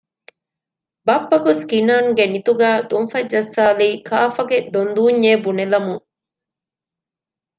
ބައްޕަގޮސް ކިނާންގެ ނިތުގައި ތުންފަތް ޖައްސާލީ ކާފަގެ ދޮންދޫންޏޭ ބުނެލަމުން